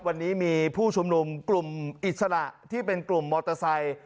วันนี้มีผู้ชุมนุมกลุ่มอิสระที่เป็นกลุ่มมอเตอร์ไซค์